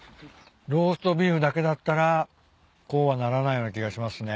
ローストビーフだけだったらこうはならないような気がしますね。